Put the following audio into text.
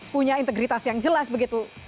punya integritas yang jelas begitu